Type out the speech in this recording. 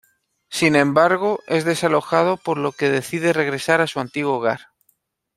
Sin embargo, es desalojado, por lo que decide regresar a su antiguo hogar.